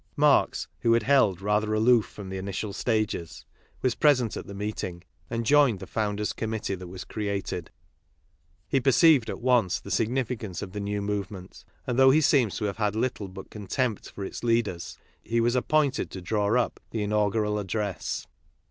Marx, who had held rather aloof from the initial stao es, was present at the meeting, and joined the Founders' Com mittee that was created. He perceived at once the significance of the new movement, and, though he seems to have had little but contempt for its leaders, he was appomted to draw up the inaugural address.